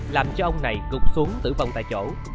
làm cho ông này gục xuống tử vong tại chỗ